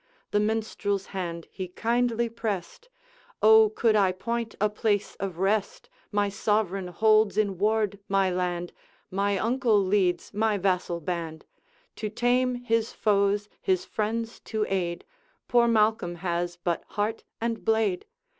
The Minstrel's hand he kindly pressed, 'O, could I point a place of rest! My sovereign holds in ward my land, My uncle leads my vassal band; To tame his foes, his friends to aid, Poor Malcolm has but heart and blade.